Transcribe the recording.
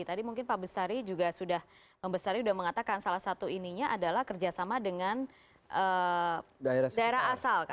tadi mungkin pak bestari juga sudah membesari sudah mengatakan salah satu ininya adalah kerjasama dengan daerah asal